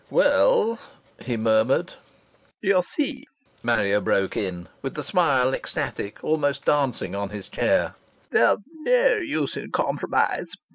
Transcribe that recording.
"Well " he murmured. "You see," Marrier broke in, with the smile ecstatic, almost dancing on his chair. "There's no use in compromise.